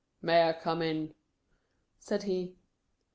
" May I come in ?" said he.